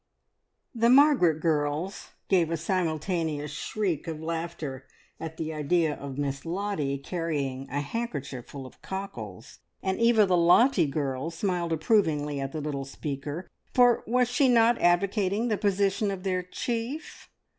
'" The Margaret girls gave a simultaneous shriek of laughter at the idea of Miss Lottie carrying a handkerchief full of cockles, and even the Lottie girls smiled approvingly at the little speaker, for was she not advocating the position of their chief?